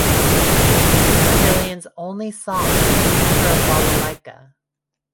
This is Marillion's only song to feature a balalaika.